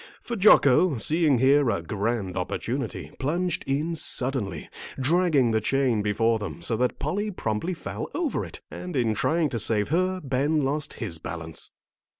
For Jocko, seeing here a grand opportunity, plunged in suddenly, dragging the chain before them so that Polly promptly fell over it. And in trying to save her, Ben lost his balance.